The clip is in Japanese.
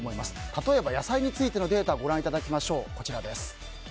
例えば野菜についてのデータをご覧いただきましょう。